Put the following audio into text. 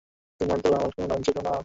আরে, এটা কেমন কথা?